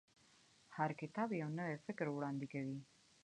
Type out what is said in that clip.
هر کتاب یو نوی فکر وړاندې کوي.